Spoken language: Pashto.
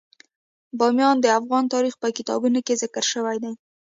بامیان د افغان تاریخ په کتابونو کې ذکر شوی دي.